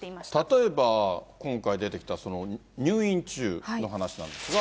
例えば今回出てきた入院中の話なんですが。